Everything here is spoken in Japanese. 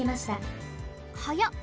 はやっ！